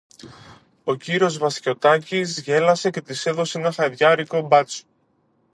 Ο κύριος Βασιωτάκης γέλασε και της έδωσε ένα χαδιάρικο μπάτσο.